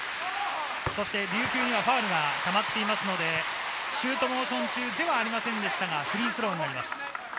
そして琉球にはファウルがたまっていますので、シュートモーション中ではありませんでしたが、フリースローになります。